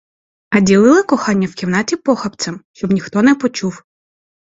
А ділили кохання в кімнаті похапцем, щоб ніхто не почув.